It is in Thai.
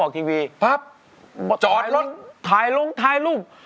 กินเวลาใหญ่แล้ว